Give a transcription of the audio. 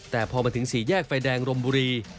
แต่พอมาถึงสี่แยกไฟแดงรมบุรี